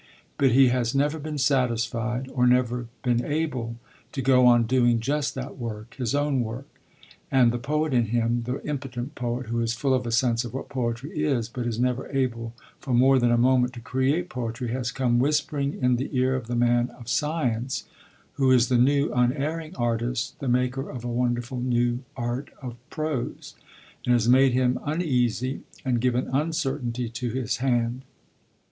But he has never been satisfied, or never been able, to go on doing just that work, his own work; and the poet in him, the impotent poet who is full of a sense of what poetry is, but is never able, for more than a moment, to create poetry, has come whispering in the ear of the man of science, who is the new, unerring artist, the maker of a wonderful new art of prose, and has made him uneasy, and given uncertainty to his hand.